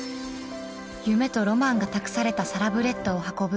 夢とロマンが託されたサラブレッドを運ぶ